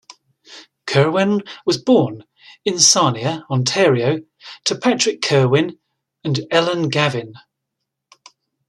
Kerwin was born in Sarnia, Ontario to Patrick Kerwin and Ellen Gavin.